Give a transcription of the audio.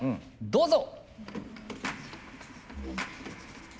どうぞ！